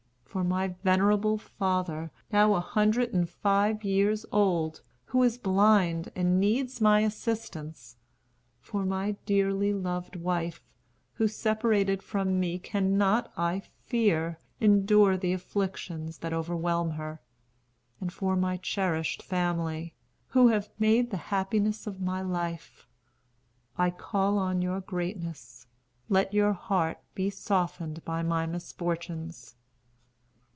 For my venerable father, now a hundred and five years old, who is blind, and needs my assistance; for my dearly loved wife, who, separated from me, cannot, I fear, endure the afflictions that overwhelm her; and for my cherished family, who have made the happiness of my life. I call on your greatness. Let your heart be softened by my misfortunes."